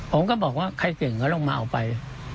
ผมก็บอกว่าใครเก่งก็ลงมาเอาไป